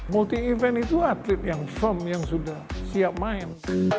multi event itu atlet yang firm yang sudah siap main